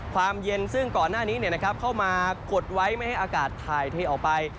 ความเย็นซึ่งก่อนหน้านี้เข้ามากดไว้ไม่ให้อากาศถ่ายเทออกไป